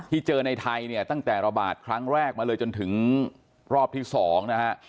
เจอในไทยเนี่ยตั้งแต่ระบาดครั้งแรกมาเลยจนถึงรอบที่๒นะฮะ